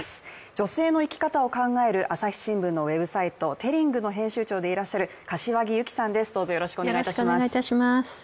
女性の生き方を考える「朝日新聞」のウェブサイト「ｔｅｌｌｉｎｇ，」の編集長でいらっしゃる柏木友紀さんです。